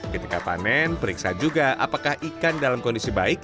ketika panen periksa juga apakah ikan dalam kondisi baik